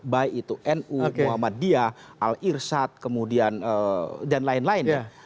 baik itu nu muhammadiyah al irshad kemudian dan lain lain